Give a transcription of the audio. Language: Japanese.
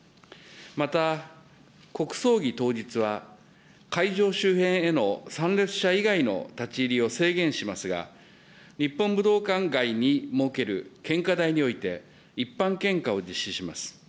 また国葬儀当日は、会場周辺への参列者以外の立ち入りを制限しますが、日本武道館外に設ける献花台において、一般献花を実施します。